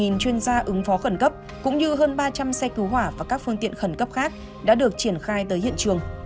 một chuyên gia ứng phó khẩn cấp cũng như hơn ba trăm linh xe cứu hỏa và các phương tiện khẩn cấp khác đã được triển khai tới hiện trường